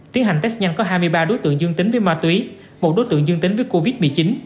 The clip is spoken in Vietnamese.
tiến hành test nhanh có hai mươi ba đối tượng dương tính với ma túy một đối tượng dương tính với covid một mươi chín